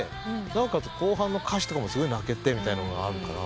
なおかつ後半の歌詞とかもすごい泣けてみたいなのがあるから。